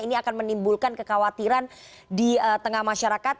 ini akan menimbulkan kekhawatiran di tengah masyarakat